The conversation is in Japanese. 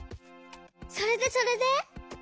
それでそれで？